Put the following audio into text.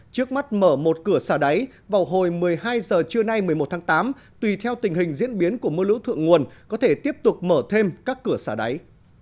trước mắt mở một cửa xả đáy vào hồi một mươi hai h trưa nay một mươi một tháng tám tùy theo tình hình diễn biến của mưa lũ thượng nguồn có thể tiếp tục mở thêm các cửa xả đáy